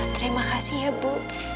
terima kasih ya bu